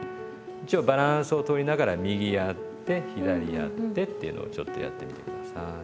一応バランスを取りながら右やって左やってっていうのをちょっとやってみて下さい。